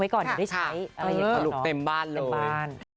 จริงจริงนุ้วความเป็นพ่อคุณแม่แบบใหม่